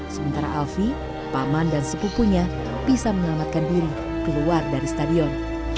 sementara alfie paman dan sepupunya bisa menyelamatkan diri keluar dari stadion